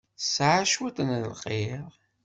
Tesɛa cwiṭ n lqir.